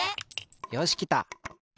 よしきた。